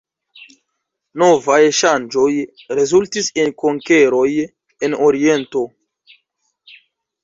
Novaj ŝanĝoj rezultis en konkeroj en oriento.